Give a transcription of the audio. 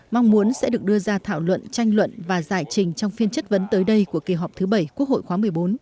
mong muốn sẽ được đưa ra thảo luận tranh luận và giải trình trong phiên chất vấn tới đây của kỳ họp thứ bảy quốc hội khóa một mươi bốn